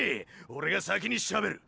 オレが先にしゃべる！